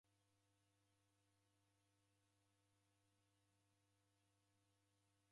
Daw'aw'ilo nandighi ni kazi w'iibonyere.